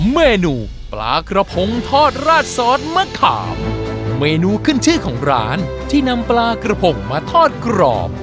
เมนูปลากระพงทอดราดซอสมะขามเมนูขึ้นชื่อของร้านที่นำปลากระพงมาทอดกรอบ